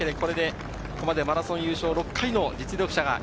ここまでマラソン優勝６回の実力者。